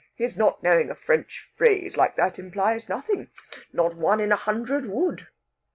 His not knowing a French phrase like that implies nothing. Not one in a hundred would."